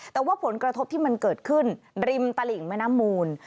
แต่ว่าผลกระทบที่มันเกิดขึ้นริมตลิ่งแม่น้ำมูล